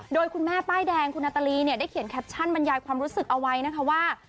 โดยคุณแม่ป้ายแดงคุณนาตาลีเนี่ยได้เขียนแคปชั่นบรรยายความรู้สึกเอาไว้นะคะว่า